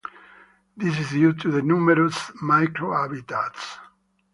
This is due to the numerous microhabitats.